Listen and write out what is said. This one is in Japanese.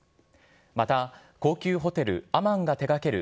また、高級ホテル、アマンが手がける